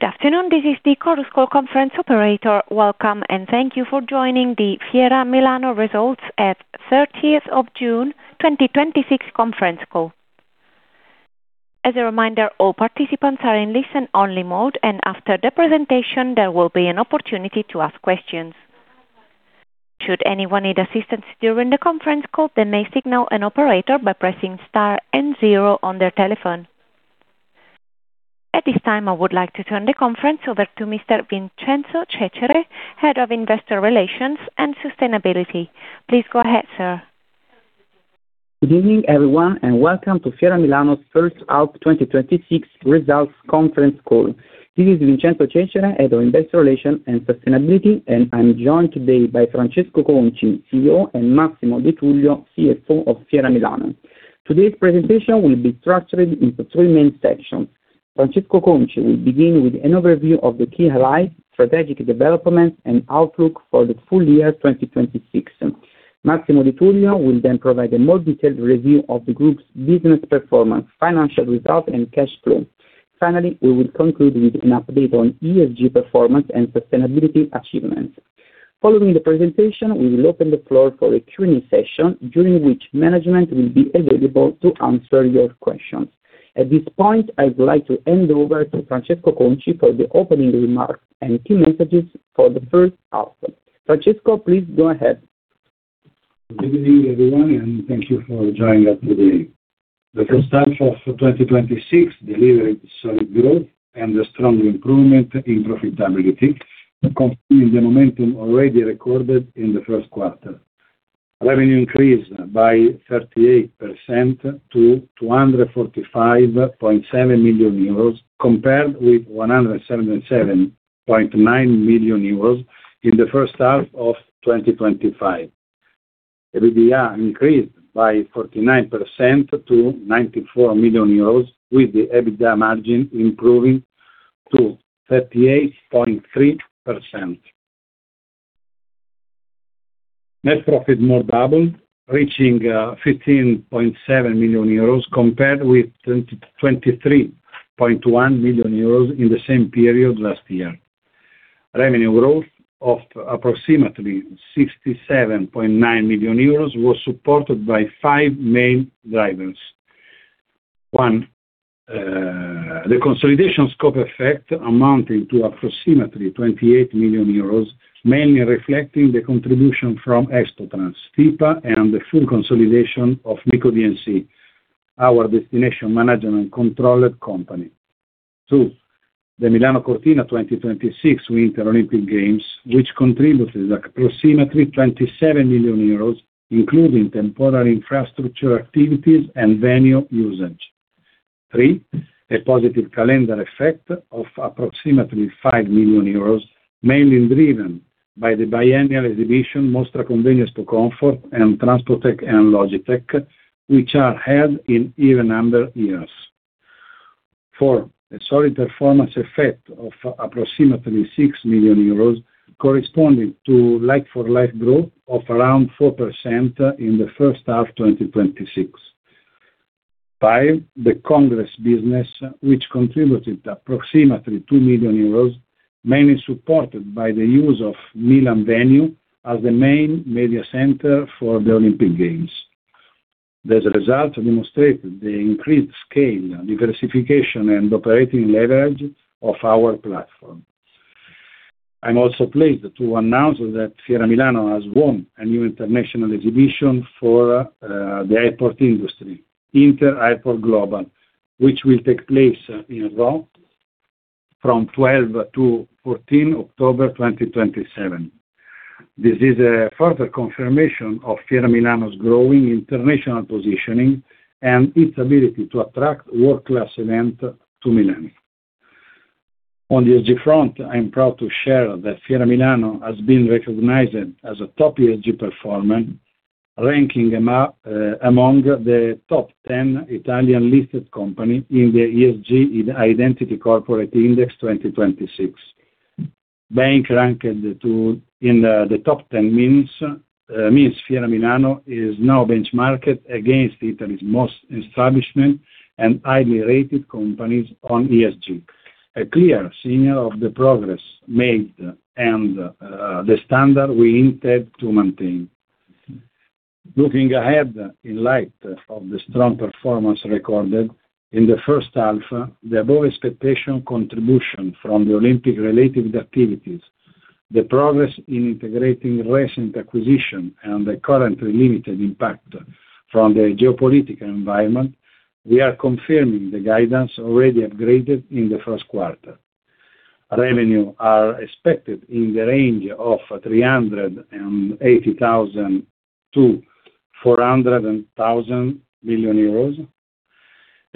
Good afternoon. This is the Chorus Call conference operator. Welcome, and thank you for joining the Fiera Milano results at 30th of June 2026 conference call. As a reminder, all participants are in listen-only mode. After the presentation, there will be an opportunity to ask questions. Should anyone need assistance during the conference call, they may signal an operator by pressing star and zero on their telephone. At this time, I would like to turn the conference over to Mr. Vincenzo Cecere, Head of Investor Relations and Sustainability. Please go ahead, sir. Good evening, everyone. Welcome to Fiera Milano's first half 2026 results conference call. This is Vincenzo Cecere, Head of Investor Relations and Sustainability. I'm joined today by Francesco Conci, CEO, and Massimo De Tullio, CFO of Fiera Milano. Today's presentation will be structured into three main sections. Francesco Conci will begin with an overview of the key highlights, strategic developments, and outlook for the full year 2026. Massimo De Tullio will then provide a more detailed review of the group's business performance, financial results, and cash flow. Finally, we will conclude with an update on ESG performance and sustainability achievements. Following the presentation, we will open the floor for a Q&A session during which management will be available to answer your questions. At this point, I would like to hand over to Francesco Conci for the opening remarks and key messages for the first half. Francesco, please go ahead. Good evening, everyone. Thank you for joining us today. The first half of 2026 delivered solid growth and a strong improvement in profitability, continuing the momentum already recorded in the first quarter. Revenue increased by 38% to 245.7 million euros, compared with 177.9 million euros in the first half of 2025. EBITDA increased by 49% to 94 million euros, with the EBITDA margin improving to 38.3%. Net profit more than doubled, reaching 50.7 million euros compared with 23.1 million euros in the same period last year. Revenue growth of approximately 67.9 million euros was supported by five main drivers. One, the consolidation scope effect amounting to approximately 28 million euros, mainly reflecting the contribution from Expotrans, Stipa, and the full consolidation of MiCodmc, our destination management controlled company. Two, the Milano Cortina 2026 Winter Olympic Games, which contributed approximately 27 million euros, including temporary infrastructure activities and venue usage. Three, a positive calendar effect of approximately 5 million euros, mainly driven by the biennial exhibition Mostra Convegno Expocomfort and Transpotec Logitec, which are held in even under years. Four, a solid performance effect of approximately 6 million euros corresponding to like-for-like growth of around 4% in the first half 2026. Five, the Congress business, which contributed approximately 2 million euros, mainly supported by the use of Milan Venue as the main media center for the Olympic Games. These results demonstrate the increased scale, diversification, and operating leverage of our platform. I'm also pleased to announce that Fiera Milano has won a new international exhibition for the airport industry, inter airport Global, which will take place in Rho from 12-14 October 2027. This is a further confirmation of Fiera Milano's growing international positioning and its ability to attract world-class events to Milan. On the ESG front, I am proud to share that Fiera Milano has been recognized as a top ESG performer, ranking among the top 10 Italian-listed companies in the ESG Identity Corporate Index 2026. Being ranked in the top 10 means Fiera Milano is now benchmarked against Italy's most established and highly rated companies on ESG. A clear signal of the progress made and the standard we intend to maintain. Looking ahead in light of the strong performance recorded in the first half, the above expectation contribution from the Olympic-related activities, the progress in integrating recent acquisition, and the currently limited impact from the geopolitical environment, we are confirming the guidance already upgraded in the first quarter. Revenue is expected in the range of 380 million-400 million euros.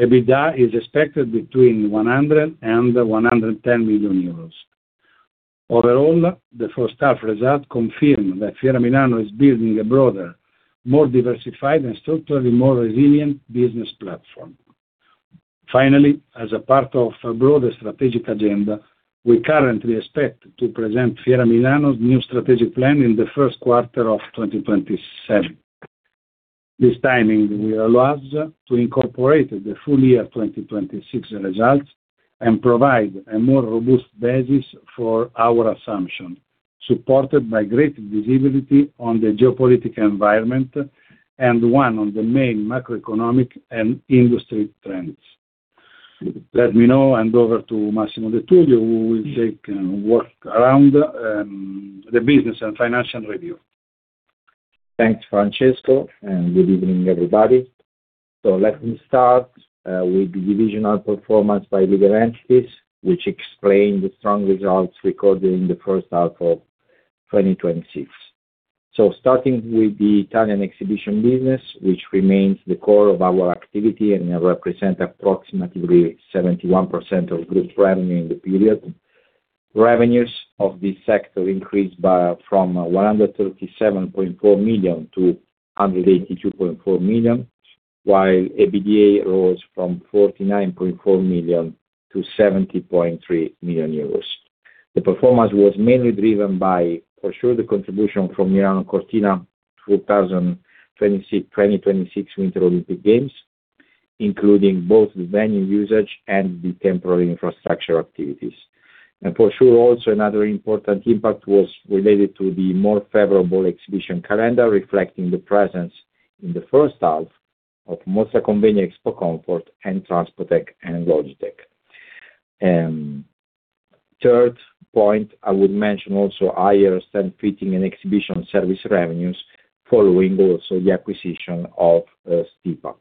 EBITDA is expected between 100 million euros and 110 million euros. Overall, the first half results confirm that Fiera Milano is building a broader, more diversified, and structurally more resilient business platform. Finally, as a part of a broader strategic agenda, we currently expect to present Fiera Milano's new strategic plan in the first quarter of 2027. This timing will allow us to incorporate the full year 2026 results and provide a more robust basis for our assumption, supported by great visibility on the geopolitical environment and one of the main macroeconomic and industry trends. Let me now hand over to Massimo De Tullio, who will walk around the business and financial review. Thanks, Francesco. Good evening, everybody. Let me start with the divisional performance by legal entities, which explain the strong results recorded in the first half of 2026. Starting with the Italian Exhibition business, which remains the core of our activity and represent approximately 71% of group revenue in the period. Revenues of this sector increased from 137.4 million to 182.4 million, while EBITDA rose from 49.4 million to 70.3 million euros. The performance was mainly driven by, for sure, the contribution from Milano Cortina 2026 Winter Olympic Games, including both the venue usage and the temporary infrastructure activities. For sure, also another important impact was related to the more favorable exhibition calendar, reflecting the presence in the first half of Mostra Convegno Expocomfort and Transpotec Logitec. Third point, I would mention also higher stand fitting and exhibition service revenues following also the acquisition of Stipa.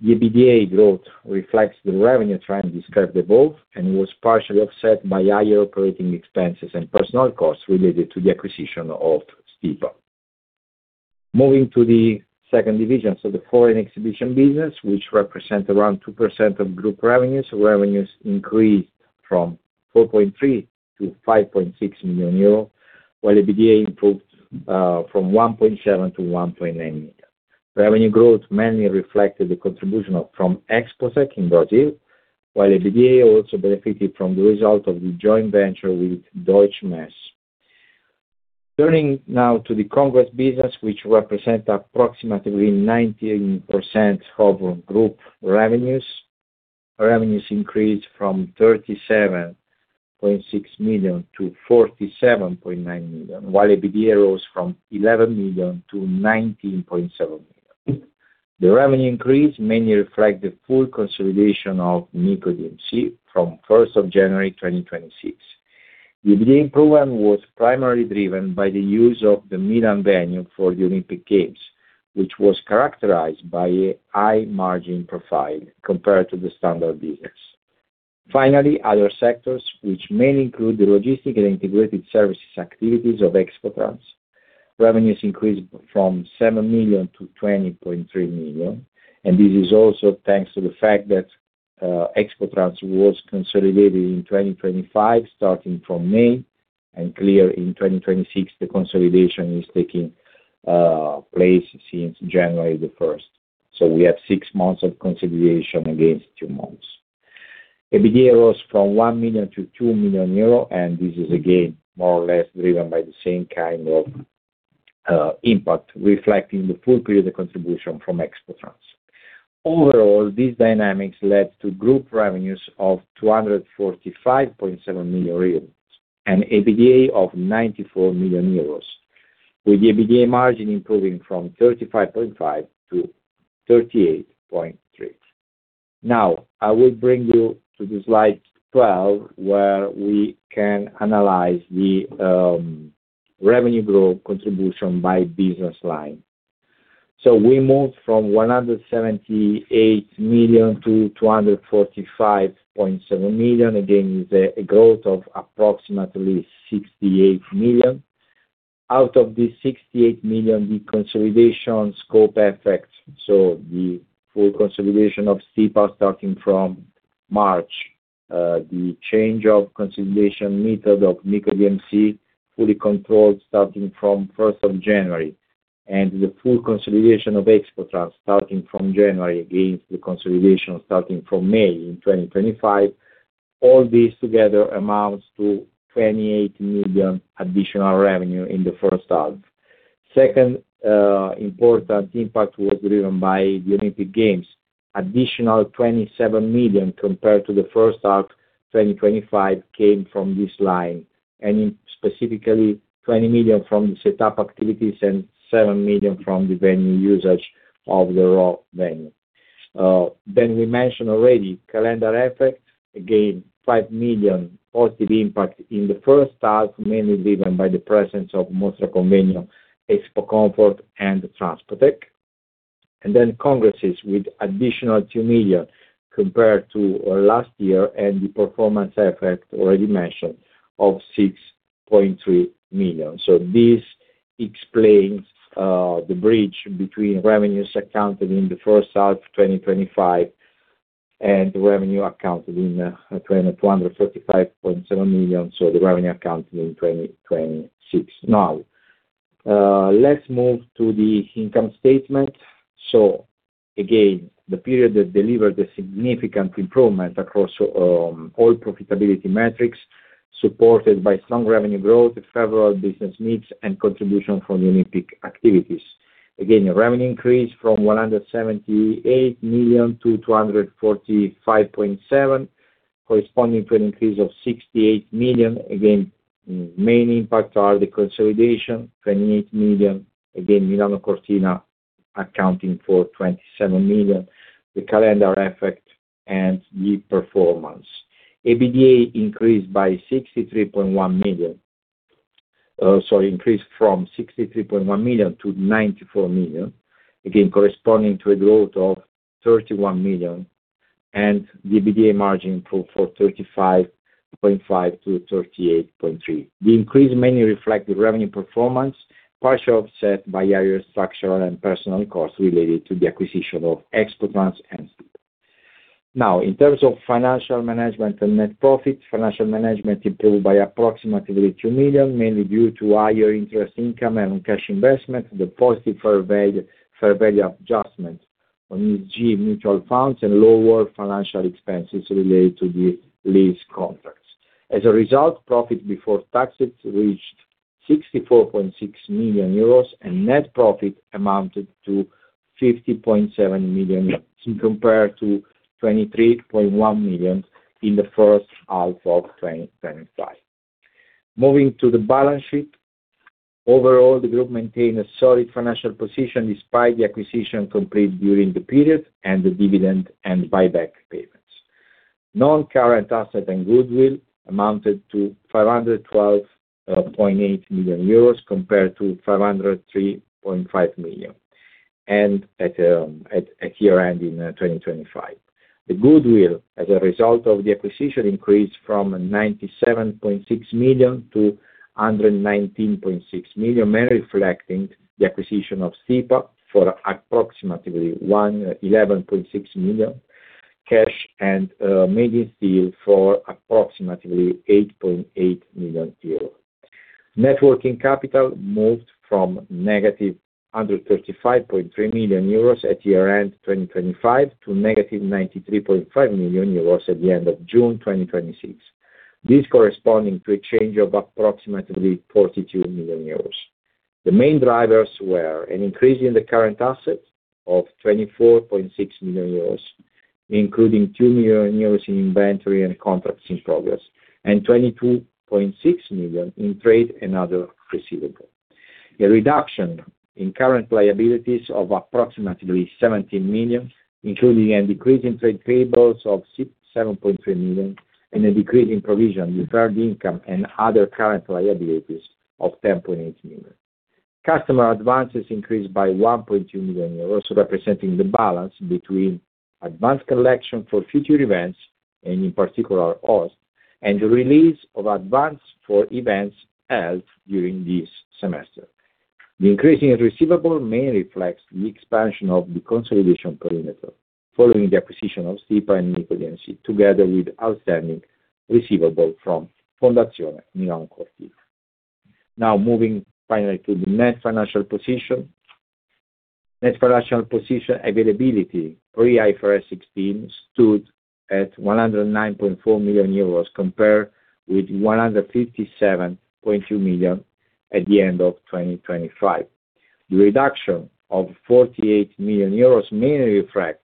The EBITDA growth reflects the revenue trend described above and was partially offset by higher operating expenses and personnel costs related to the acquisition of Stipa. Moving to the second division, so the Foreign Exhibition business, which represent around 2% of group revenues. Revenues increased from 4.3 million to 5.6 million euro, while EBITDA improved from 1.7 million to 1.9 million. Revenue growth mainly reflected the contribution from Exposec in Brazil, while EBITDA also benefited from the result of the joint venture with Deutsche Messe. Turning now to the Congress business, which represent approximately 19% of group revenues. Revenues increased from 37.6 million to 47.9 million, while EBITDA rose from 11 million to 19.7 million. The revenue increase mainly reflects the full consolidation of MiCodmc from 1st of January, 2026. The EBITDA improvement was primarily driven by the use of the Milan Venue for the Olympic Games, which was characterized by a high margin profile compared to the standard business. Finally, other sectors which mainly include the logistic and integrated services activities of Expotrans. Revenues increased from 7 million to 20.3 million, and this is also thanks to the fact that Expotrans was consolidated in 2025, starting from May, and in 2026, the consolidation is taking place since January 1st. We have six months of consolidation against two months. EBITDA rose from 1 million to 2 million euro, and this is again more or less driven by the same kind of impact, reflecting the full period contribution from Expotrans. Overall, these dynamics led to group revenues of 245.7 million euros and EBITDA of 94 million euros, with the EBITDA margin improving from 35.5% to 38.3%. Now I will bring you to slide 12, where we can analyze the revenue growth contribution by business line. We moved from 178 million to 245.7 million. It is a growth of approximately 68 million. Out of the 68 million, the consolidation scope effect, so the full consolidation of Stipa starting from March, the change of consolidation method of MiCodmc fully controlled starting from 1st of January, and the full consolidation of Expotrans starting from January against the consolidation starting from May in 2025. All this together amounts to 28 million additional revenue in the first half. Second important impact was driven by the Olympic Games. Additional 27 million compared to the first half 2025 came from this line, and specifically 20 million from the setup activities and 7 million from the venue usage of the Rho venue. We mentioned already calendar effect, again 5 million positive impact in the first half, mainly driven by the presence of Mostra Convegno Expocomfort and Transpotec. Congresses with additional 2 million compared to last year and the performance effect already mentioned of 6.3 million. This explains the bridge between revenues accounted in the first half 2025 and revenue accounted in 245.7 million, so the revenue accounted in 2026. Now let's move to the income statement. Again, the period delivered a significant improvement across all profitability metrics, supported by strong revenue growth, favorable business mix, and contribution from Olympic activities. Again, revenue increased from 178 million to 245.7 million, corresponding to an increase of 68 million. Again, the main impacts are the consolidation, 28 million, Milano Cortina accounting for 27 million, the calendar effect, and the performance. EBITDA increased from 63.1 million to 94 million, again corresponding to a growth of 31 million, and the EBITDA margin improved from 35.5% to 38.3%. The increase mainly reflects the revenue performance, partially offset by higher structural and personnel costs related to the acquisition of Expotrans and Stipa. Now, in terms of financial management and net profit, financial management improved by approximately 2 million, mainly due to higher interest income and cash investment, the positive fair value adjustments on ESG mutual funds, and lower financial expenses related to the lease contracts. As a result, profit before taxes reached 64.6 million euros, and net profit amounted to 50.7 million euros compared to 23.1 million in the first half of 2025. Moving to the balance sheet. Overall, the group maintained a solid financial position despite the acquisition completed during the period and the dividend and buyback payments. Non-current asset and goodwill amounted to 512.8 million euros compared to 503.5 million at year-end in 2025. The goodwill, as a result of the acquisition increased from 97.6 million to 119.6 million, mainly reflecting the acquisition of Stipa for approximately 11.6 million, cash and Made in Steel for approximately 8.8 million euros. Net working capital moved from -135.3 million euros at year-end 2025 to -93.5 million euros at the end of June 2026. This corresponding to a change of approximately 42 million euros. The main drivers were an increase in the current assets of 24.6 million euros, including 2 million euros in inventory and contracts in progress, and 22.6 million in trade and other receivables. A reduction in current liabilities of approximately 17 million, including a decrease in trade payables of 7.3 million and a decrease in provision, deferred income, and other current liabilities of 10.8 million. Customer advances increased by 1.2 million euros, also representing the balance between advance collection for future events, and in particular Host, and the release of advance for events held during this semester. The increase in receivables mainly reflects the expansion of the consolidation perimeter following the acquisition of Stipa and MiCodmc, together with outstanding receivable from Fondazione Milano Cortina. Now, moving finally to the net financial position. Net financial position availability pre IFRS 16 stood at 109.4 million euros, compared with 157.2 million at the end of 2025. The reduction of 48 million euros mainly reflects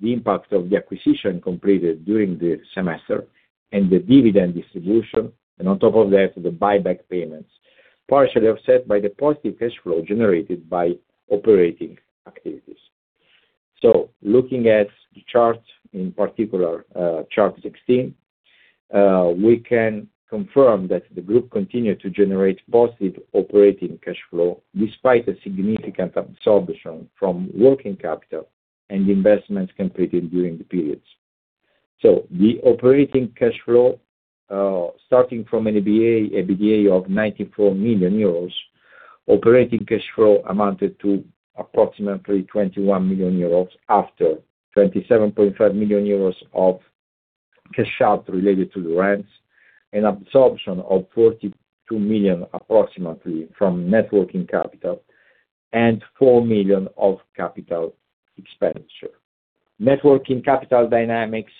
the impact of the acquisition completed during the semester and the dividend distribution, and on top of that, the buyback payments, partially offset by the positive cash flow generated by operating activities. Looking at the chart, in particular chart 16, we can confirm that the group continued to generate positive operating cash flow despite a significant absorption from working capital and the investments completed during the periods. The operating cash flow, starting from an EBITDA of 94 million euros, operating cash flow amounted to approximately 21 million euros after 27.5 million euros of cash out related to the rents, an absorption of 42 million approximately from net working capital, and 4 million of capital expenditure. Net working capital dynamics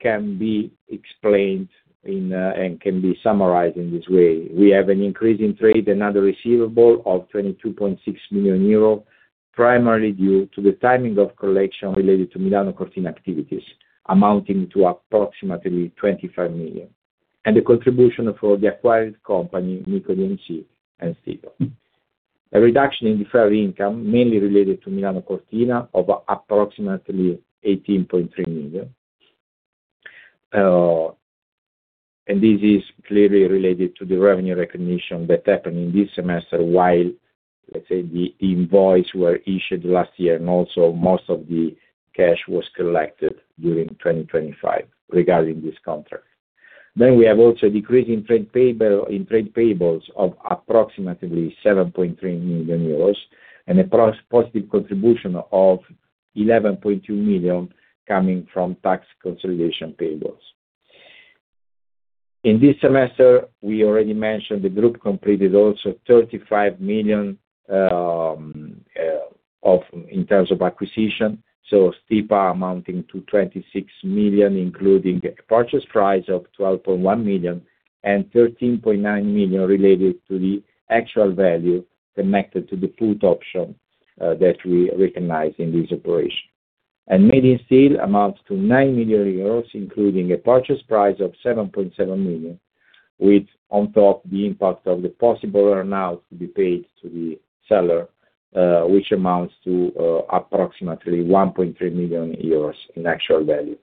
can be explained and can be summarized in this way. We have an increase in trade and other receivable of 22.6 million euro, primarily due to the timing of collection related to Milano Cortina activities amounting to approximately 25 million, and the contribution for the acquired company, MiCodmc and Stipa. A reduction in deferred income mainly related to Milano Cortina of approximately 18.3 million. This is clearly related to the revenue recognition that happened in this semester, while, let's say, the invoice were issued last year, and also most of the cash was collected during 2025 regarding this contract. We have also a decrease in trade payables of approximately 7.3 million euros and a positive contribution of 11.2 million coming from tax consolidation payables. In this semester, we already mentioned the group completed also 35 million in terms of acquisition. Stipa amounting to 26 million, including a purchase price of 12.1 million and 13.9 million related to the actual value connected to the put option that we recognize in this operation. Made in Steel amounts to 9 million euros, including a purchase price of 7.7 million, with on top the impact of the possible earn-out to be paid to the seller, which amounts to approximately 1.3 million euros in actual value.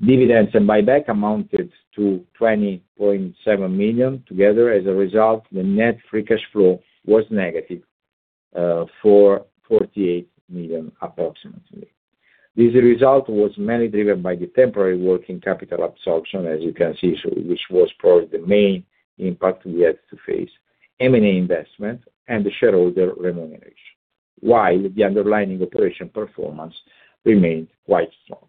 Dividends and buyback amounted to 20.7 million together. As a result, the net free cash flow was negative for 48 million approximately. This result was mainly driven by the temporary working capital absorption, as you can see, which was probably the main impact we had to face, M&A investment and shareholder remuneration, while the underlying operation performance remained quite strong.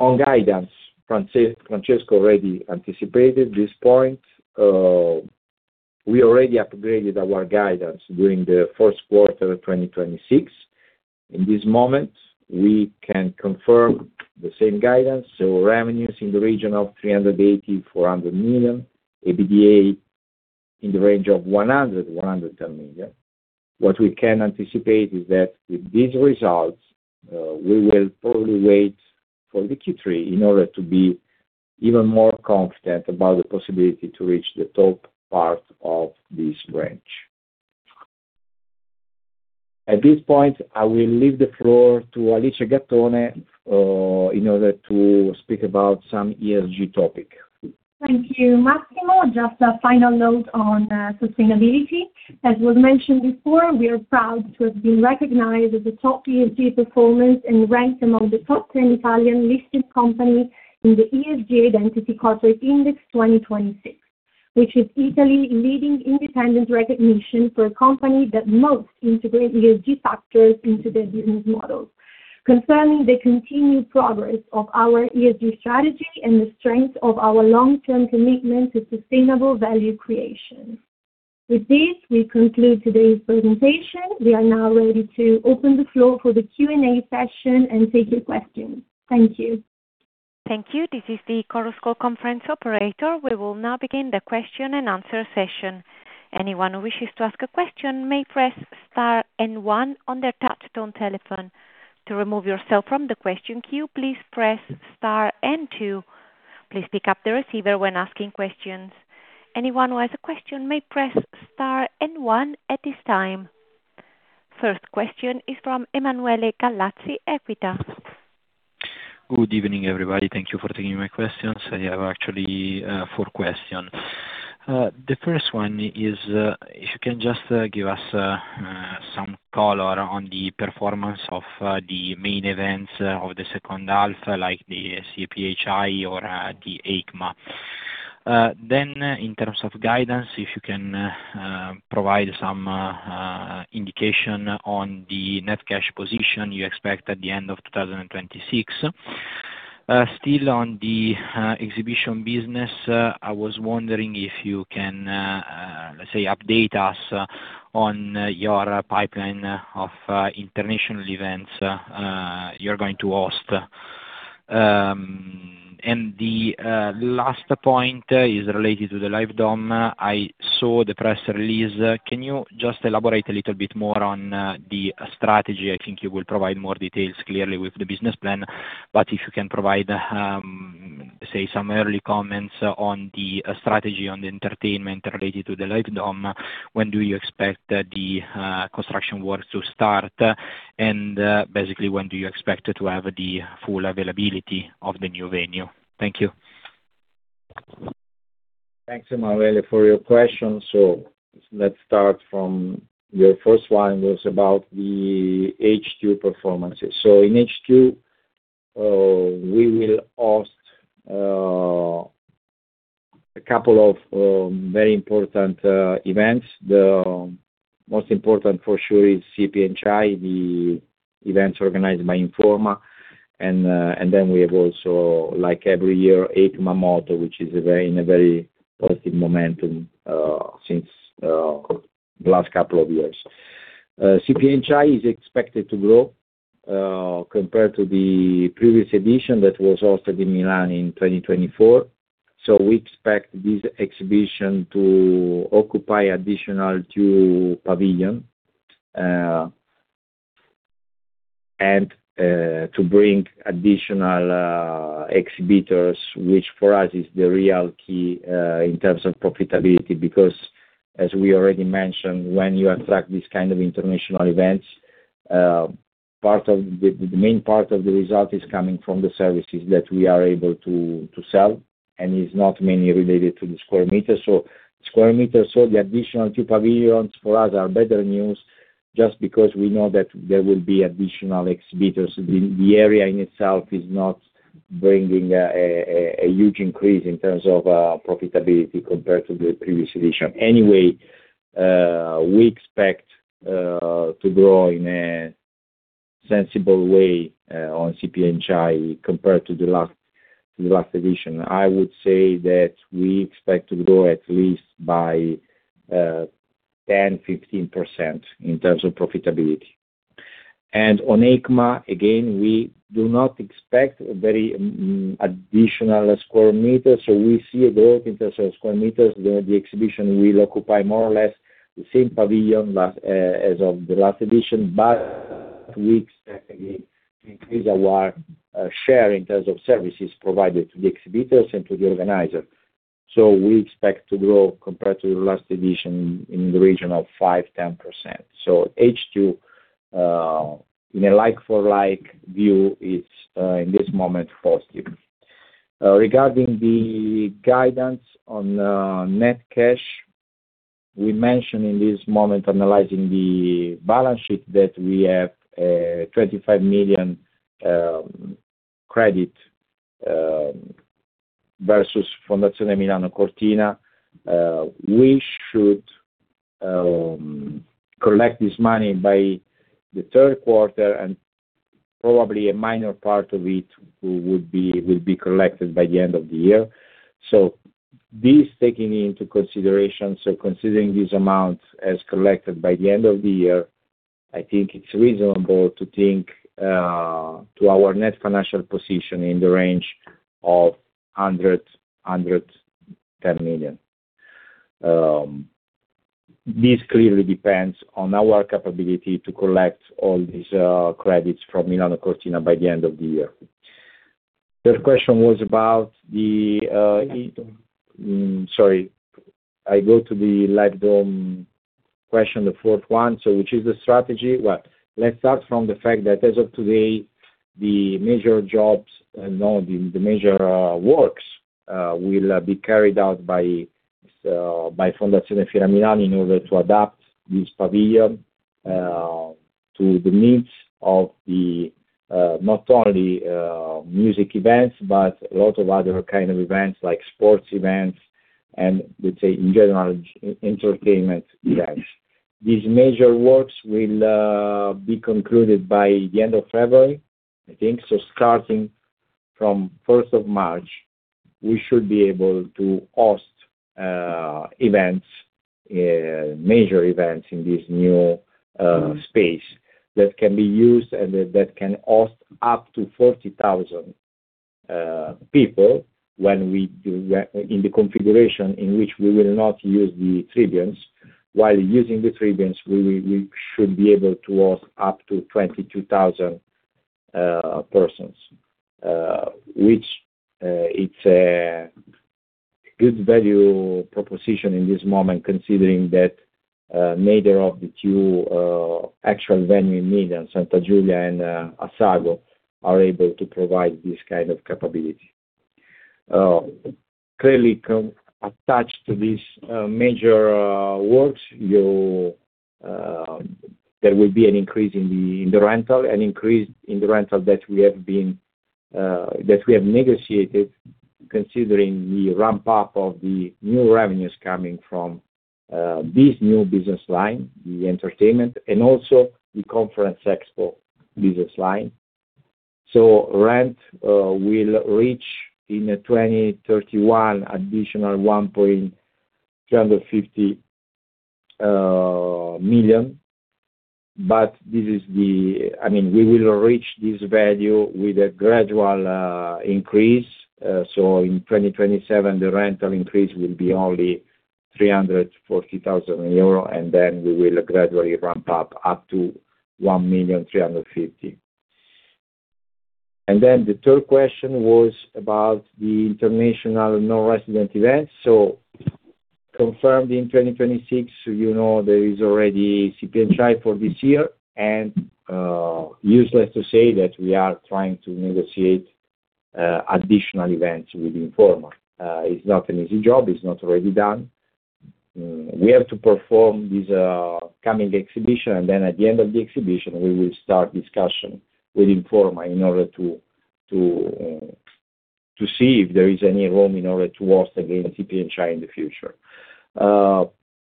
On guidance, Francesco already anticipated this point. We already upgraded our guidance during the first quarter of 2026. In this moment, we can confirm the same guidance, so revenues in the region of 380 million-400 million, EBITDA in the range of 100 million-110 million. What we can anticipate is that with these results, we will probably wait for the Q3 in order to be even more confident about the possibility to reach the top part of this range. At this point, I will leave the floor to Alice Gattone in order to speak about some ESG topic. Thank you, Massimo. Just a final note on sustainability. As was mentioned before, we are proud to have been recognized as a top ESG performer and ranked among the top 10 Italian listed companies in the ESG Identity Corporate Index 2026, which is Italy leading independent recognition for a company that most integrate ESG factors into their business model, confirming the continued progress of our ESG strategy and the strength of our long-term commitment to sustainable value creation. With this, we conclude today's presentation. We are now ready to open the floor for the Q&A session and take your questions. Thank you. Thank you. This is the Chorus Call conference operator. We will now begin the question and answer session. Anyone who wishes to ask a question may press star and one on their touch-tone telephone. To remove yourself from the question queue, please press star and two. Please pick up the receiver when asking questions. Anyone who has a question may press star and one at this time. First question is from Emanuele Gallazzi, EQUITA. Good evening, everybody. Thank you for taking my questions. I have actually four question. The first one is if you can just give us some color on the performance of the main events of the second half, like the CPHI or the EICMA. In terms of guidance, if you can provide some indication on the net cash position you expect at the end of 2026? Still on the exhibition business, I was wondering if you can, let's say, update us on your pipeline of international events you're going to host. The last point is related to the Live Dome. I saw the press release. Can you just elaborate a little bit more on the strategy? I think you will provide more details clearly with the business plan, but if you can provide, let's say, some early comments on the strategy on the entertainment related to the Live Dome. When do you expect the construction works to start? Basically, when do you expect to have the full availability of the new venue? Thank you. Thanks, Emanuele, for your questions. Let's start from your first one, was about the H2 performances. In H2, we will host a couple of very important events. The most important for sure is CPHI, the events organized by Informa. We have also, like every year, EICMA Motor, which is in a very positive momentum since last couple of years. CPHI is expected to grow compared to the previous edition that was hosted in Milan in 2024. We expect this exhibition to occupy additional two pavilions and to bring additional exhibitors, which for us is the real key in terms of profitability because as we already mentioned, when you attract these kind of international events, the main part of the result is coming from the services that we are able to sell, and is not mainly related to the square meters sold. The additional two pavilions for us are better news just because we know that there will be additional exhibitors. The area in itself is not bringing a huge increase in terms of profitability compared to the previous edition. Anyway, we expect to grow in a sensible way on CPHI compared to the last edition. I would say that we expect to grow at least by 10%, 15% in terms of profitability. On EICMA, again, we do not expect very additional square meters. We see a growth in terms of square meters. The exhibition will occupy more or less the same pavilion as of the last edition. We expect to increase our share in terms of services provided to the exhibitors and to the organizer. We expect to grow compared to the last edition in the region of 5%-10%. H2, in a like-for-like view, it's in this moment positive. Regarding the guidance on net cash, we mentioned in this moment, analyzing the balance sheet, that we have a 25 million credit versus Fondazione Milano Cortina. We should collect this money by the third quarter, and probably a minor part of it will be collected by the end of the year. This taken into consideration, so considering these amounts as collected by the end of the year, I think it's reasonable to think to our net financial position in the range of 100 million-110 million. This clearly depends on our capability to collect all these credits from Milano Cortina by the end of the year. Third question was about the, sorry, I go to the Live Dome question, the fourth one, so which is the strategy. Let's start from the fact that as of today, the major works will be carried out by Fondazione Fiera Milano in order to adapt this pavilion to the needs of not only music events, but a lot of other kind of events like sports events, and let's say, in general, entertainment events. These major works will be concluded by the end of February, I think. Starting from 1st of March, we should be able to host major events in this new space that can be used and that can host up to 40,000 people in the configuration in which we will not use the tribunes. While using the tribunes, we should be able to host up to 22,000 persons, which it's a good value proposition in this moment, considering that neither of the two actual venue in Milan, Santa Giulia and Assago, are able to provide this kind of capability. Clearly, attached to these major works, there will be an increase in the rental that we have negotiated, considering the ramp-up of the new revenues coming from this new business line, the entertainment, and also the conference expo business line. Rent will reach in 2031 additional 1.350 million. We will reach this value with a gradual increase. In 2027, the rental increase will be only 340,000 euro, and then we will gradually ramp up to 1,350,000. The third question was about the international non-resident events. Confirmed in 2026, you know there is already CPHI for this year, and useless to say that we are trying to negotiate additional events with Informa. It's not an easy job. It's not already done. We have to perform this coming exhibition, and then at the end of the exhibition, we will start discussion with Informa in order to see if there is any room in order to host again CPHI in the future.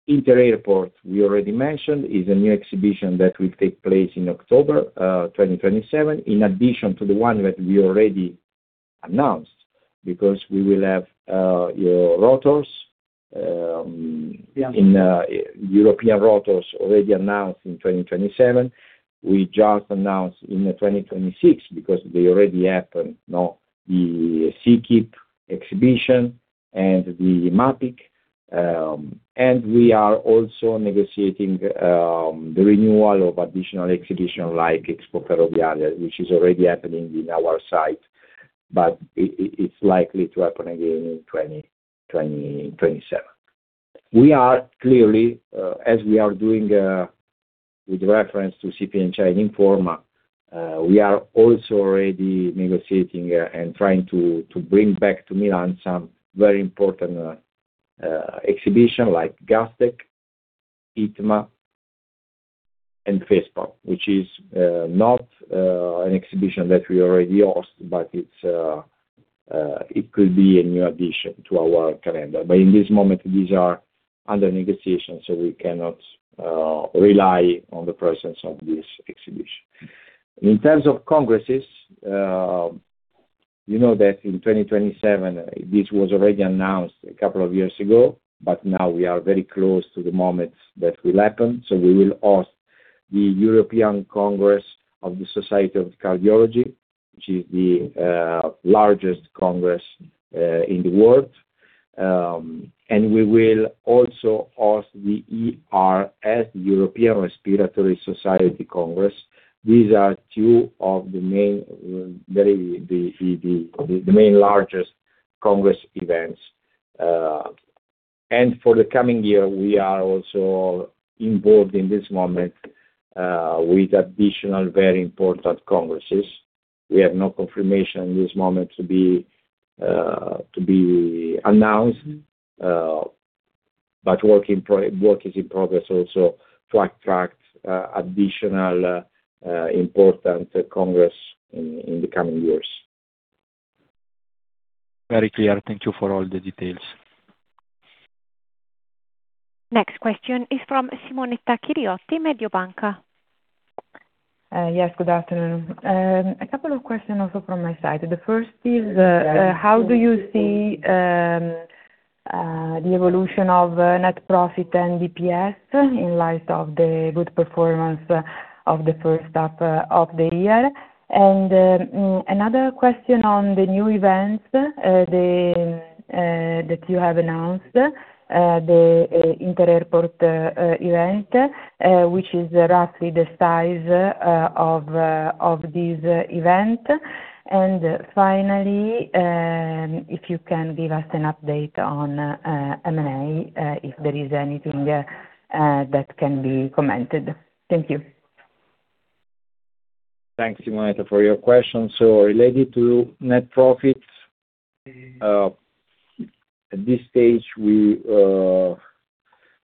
inter airport, we already mentioned, is a new exhibition that will take place in October 2027, in addition to the one that we already announced, because we will have EUROPEAN ROTORS already announced in 2027. We just announced in 2026, because they already happened, the SEAQUIP exhibition and the MAPIC. We are also negotiating the renewal of additional exhibition like EXPO Ferroviaria, which is already happening in our site, but it's likely to happen again in 2027. As we are doing with reference to CPHI and Informa, we are also already negotiating and trying to bring back to Milan some very important exhibition like Gastech, ITMA, and FESPA, which is not an exhibition that we already host, but it could be a new addition to our calendar, but in this moment, these are under negotiation, so we cannot rely on the presence of this exhibition. In terms of congresses, you know that in 2027, this was already announced a couple of years ago, but now we are very close to the moment that will happen. We will host the European Congress of the Society of Cardiology, which is the largest congress in the world. We will also host the ERS, European Respiratory Society Congress. These are two of the main largest congress events. For the coming year, we are also involved in this moment with additional very important congresses. We have no confirmation in this moment to be announced, but work is in progress also to attract additional important congress in the coming years. Very clear. Thank you for all the details. Next question is from Simonetta Chiriotti, Mediobanca. Yes, good afternoon. A couple of questions also from my side. The first is, how do you see the evolution of net profit and DPS in light of the good performance of the first half of the year? Another question on the new events that you have announced, the inter airport event, which is roughly the size of this event. Finally, if you can give us an update on M&A, if there is anything that can be commented. Thank you. Thanks, Simonetta, for your question. Related to net profits, at this stage, we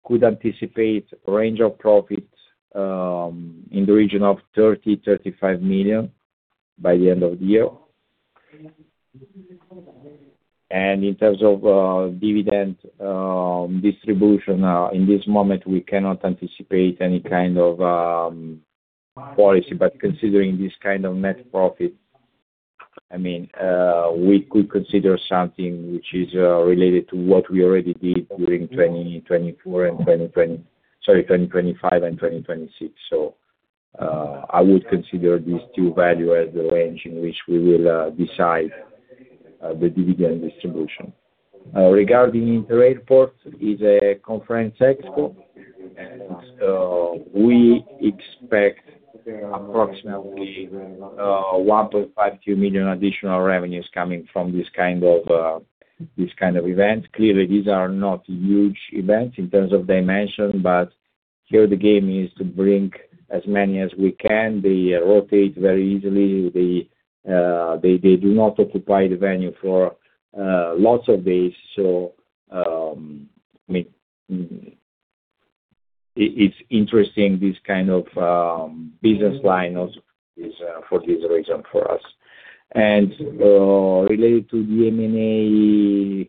could anticipate range of profits in the region of 30 million-35 million by the end of the year. In terms of dividend distribution, in this moment, we cannot anticipate any kind of policy. Considering this kind of net profit, we could consider something which is related to what we already did during 2025 and 2026. I would consider these two value as the range in which we will decide the dividend distribution. Regarding inter airport, is a conference expo, we expect approximately 1.5 million-2 million additional revenues coming from this kind of event. Clearly, these are not huge events in terms of dimension, but here the game is to bring as many as we can. They rotate very easily. They do not occupy the venue for lots of days. It's interesting, this kind of business line also for this reason for us. Related to the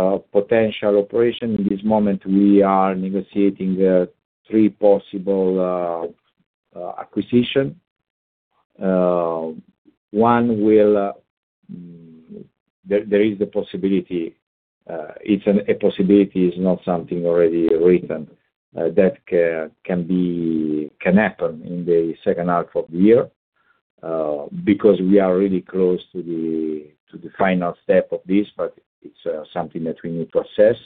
M&A potential operation, in this moment, we are negotiating three possible acquisition. There is a possibility, it's a possibility, it's not something already written, that can happen in the second half of the year, because we are really close to the final step of this, but it's something that we need to assess.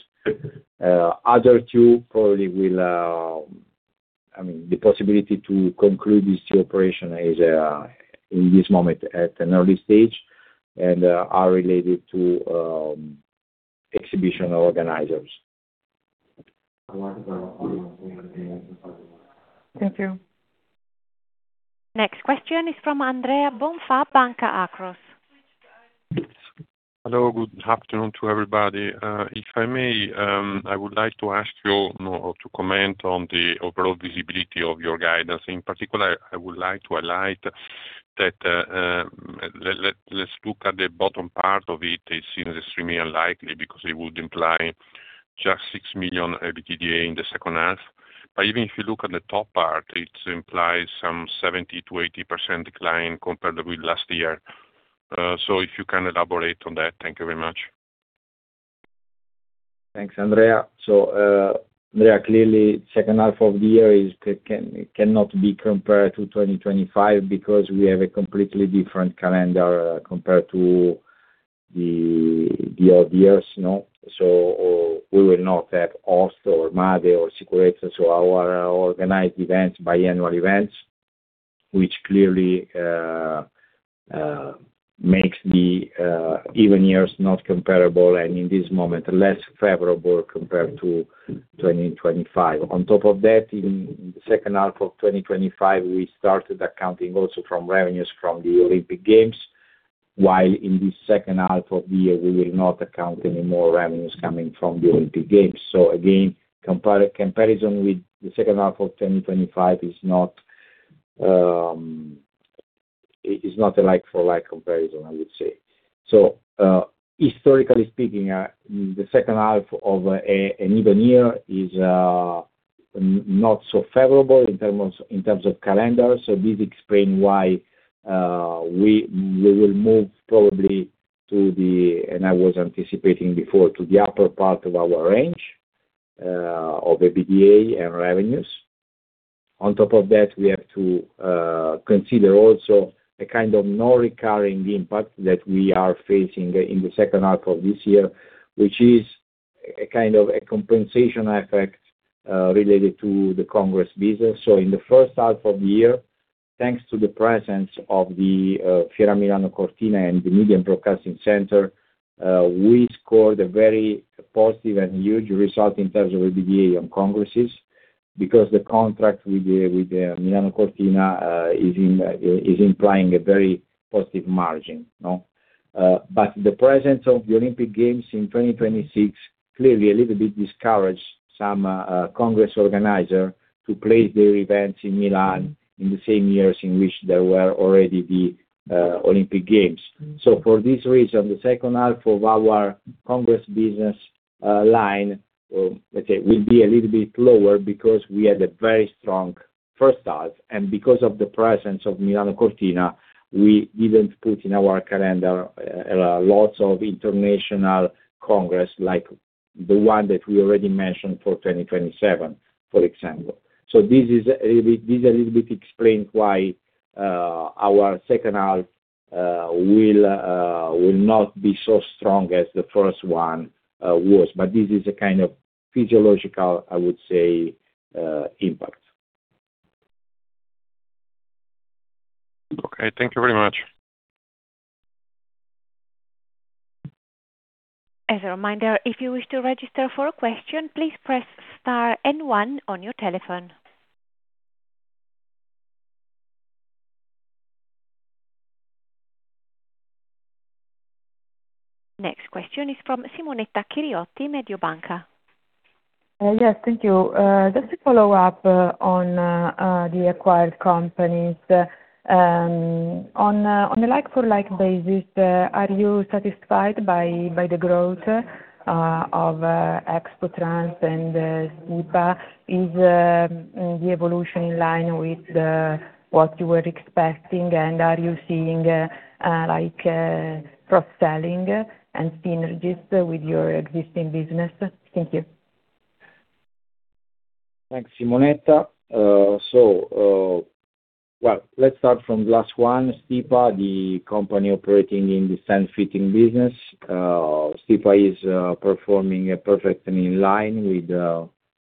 The possibility to conclude these two operation is, in this moment, at an early stage and are related to exhibition organizers. Thank you. Next question is from Andrea Bonfà, Banca Akros. Hello, good afternoon to everybody. If I may, I would like to ask you to comment on the overall visibility of your guidance. In particular, I would like to highlight that, let's look at the bottom part of it, it seems extremely unlikely because it would imply just 6 million EBITDA in the second half. Even if you look at the top part, it implies some 70%-80% decline comparable last year. If you can elaborate on that. Thank you very much. Thanks, Andrea. Clearly, second half of the year cannot be compared to 2025 because we have a completely different calendar compared to the odd years. We will not have Host or MADE or SICUREZZA. Our organized events, biannual events, which clearly makes the even years not comparable and in this moment, less favorable compared to 2025. On top of that, in the second half of 2025, we started accounting also from revenues from the Olympic Games, while in the second half of the year, we will not account any more revenues coming from the Olympic Games. Again, comparison with the second half of 2025 is not a like-for-like comparison, I would say. Historically speaking, the second half of an even year is not so favorable in terms of calendar. This explains why we will move probably to the, and I was anticipating before, to the upper part of our range of EBITDA and revenues. On top of that, we have to consider also a kind of non-recurring impact that we are facing in the second half of this year, which is a kind of a compensation effect related to the Congress business. In the first half of the year, thanks to the presence of the Fiera Milano Cortina and the Media and Broadcasting Centre, we scored a very positive and huge result in terms of EBITDA on congresses, because the contract with the Milano Cortina is implying a very positive margin. The presence of the Olympic Games in 2026 clearly a little bit discouraged some congress organizer to place their events in Milan in the same years in which there were already the Olympic Games. For this reason, the second half of our Congress business line will be a little bit lower because we had a very strong first half. Because of the presence of Milano Cortina, we didn't put in our calendar lots of international congress like the one that we already mentioned for 2027, for example. This a little bit explains why our second half will not be so strong as the first one was. This is a kind of physiological, I would say, impact. Okay. Thank you very much. As a reminder, if you wish to register for a question, please press star and one on your telephone. Next question is from Simonetta Chiriotti, Mediobanca. Yes. Thank you. Just to follow up on the acquired companies. On a like-for-like basis, are you satisfied by the growth of Expotrans and Stipa? Is the evolution in line with what you were expecting, and are you seeing cross-selling and synergies with your existing business? Thank you. Thanks, Simonetta. Well, let's start from last one, Stipa, the company operating in the stand fitting business. Stipa is performing perfectly in line with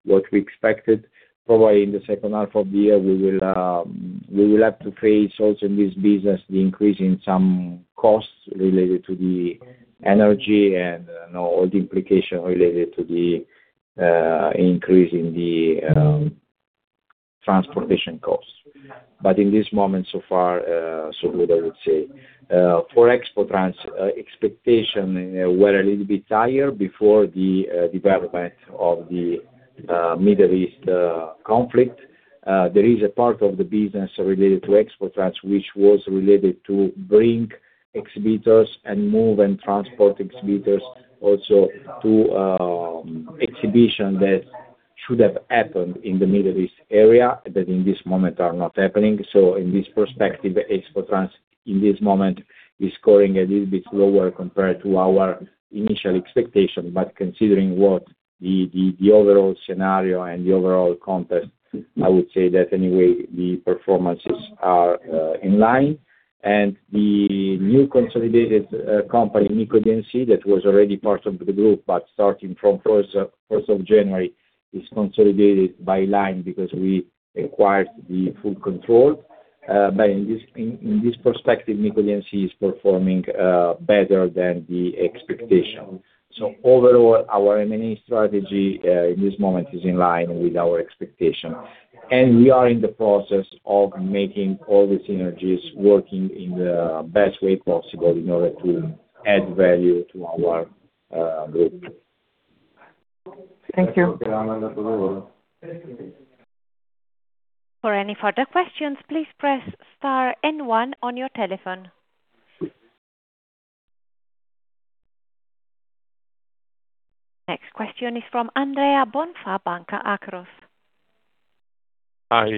what we expected. Probably in the second half of the year, we will have to face also in this business the increase in some costs related to the energy and all the implications related to the increase in the transportation costs. In this moment, so far, so good, I would say. For Expotrans, expectation were a little bit higher before the development of the Middle East conflict. There is a part of the business related to Expotrans, which was related to bring exhibitors and move and transport exhibitors also to exhibition that should have happened in the Middle East area that in this moment are not happening. In this perspective, Expotrans in this moment is scoring a little bit lower compared to our initial expectation. Considering what the overall scenario and the overall context, I would say that anyway the performances are in line. The new consolidated company, MiCodmc, that was already part of the group, but starting from 1st of January, is consolidated by line because we acquired the full control. In this perspective, MiCodmc is performing better than the expectation. Overall, our M&A strategy, in this moment, is in line with our expectation. We are in the process of making all the synergies working in the best way possible in order to add value to our group. Thank you. [inaudible] For any further questions, please press star and one on your telephone. Next question is from Andrea Bonfà, Banca Akros. Hi.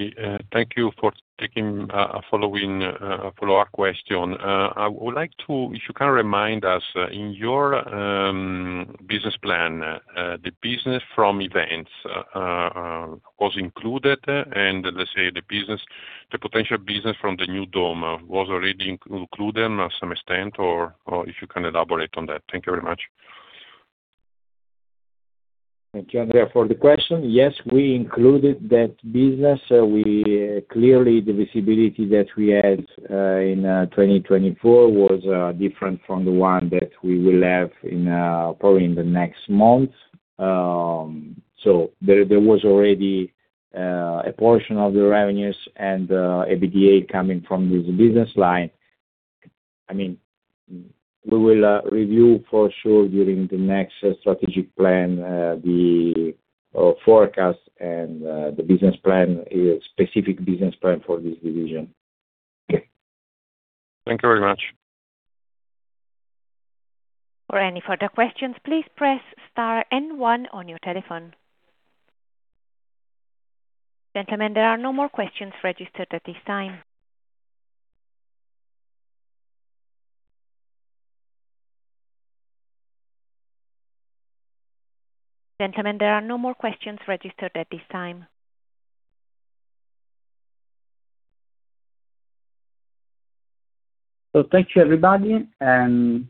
Thank you for taking a follow-up question. I would like, if you can remind us, in your business plan, the business from events was included and, let's say, the potential business from the new dome was already included to some extent, or if you can elaborate on that. Thank you very much. Thank you, Andrea, for the question. Yes, we included that business. Clearly, the visibility that we had in 2024 was different from the one that we will have probably in the next months. There was already a portion of the revenues and EBITDA coming from this business line. We will review for sure during the next strategic plan the forecast and the specific business plan for this division. Thank you very much. For any further questions, please press star and one on your telephone. Gentlemen, there are no more questions registered at this time. Gentlemen, there are no more questions registered at this time. Thank you, everybody, and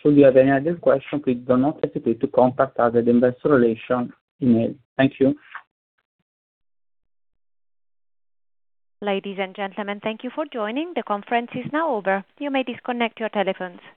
should you have any other question, please do not hesitate to contact us at the investor relation email. Thank you. Ladies and gentlemen, thank you for joining. The conference is now over. You may disconnect your telephones.